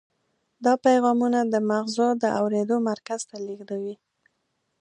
دا پیغامونه د مغزو د اورېدلو مرکز ته لیږدوي.